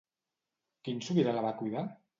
Quin sobirà la va cuidar?